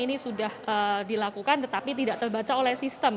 ini sudah dilakukan tetapi tidak terbaca oleh sistem